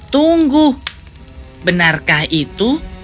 tunggu benarkah itu